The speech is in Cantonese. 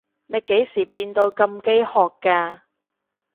你幾時變到咁飢渴㗎？